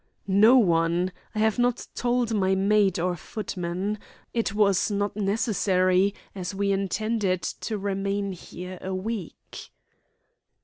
"No one. I have not told my maid or footman. It was not necessary, as we intended to remain here a week."